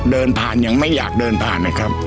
เดินผ่านยังไม่อยากเดินผ่านนะครับ